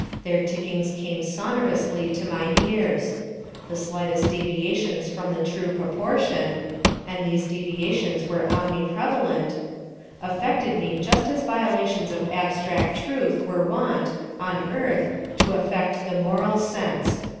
Their tickings came sonorously to my ears. The slightest deviations from the true proportion—and these deviations were omni prevalent—affected me just as violations of abstract truth were wont, on earth, to affect the moral sense.